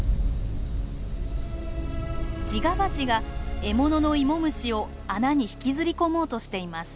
ジガバチが獲物のイモムシを穴に引きずり込もうとしています。